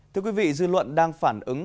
thưa quý vị dư luận đang phản ứng